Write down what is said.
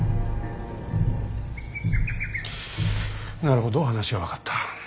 なるほど話は分かった。